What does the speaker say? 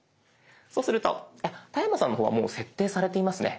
そうすると田山さんの方はもう設定されていますね。